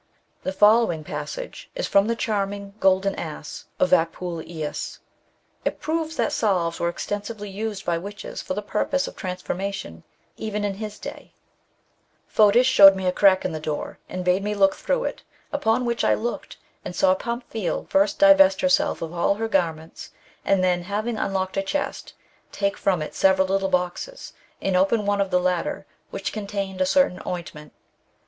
The following passage is from the charming Golden Ass of Apuleius ; it proves that salves were extensively used by witches for the purpose of transformation, even in his day: —'' Fotis showed me a crack in the door, and bade me look through it, upon which I looked and saw Pamphile first divest herself of aU her garments, and then, having unlocked a chest, take from it several little boxes, and open one of the latter, which contained a certain oint ment.